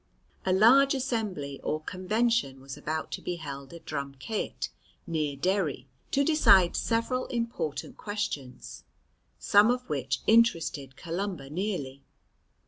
A large assembly or convention was about to be held at Drum ceatt near Derry, to decide several important questions, some of which interested Columba nearly.